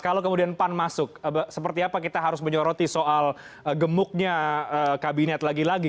kalau kemudian pan masuk seperti apa kita harus menyoroti soal gemuknya kabinet lagi lagi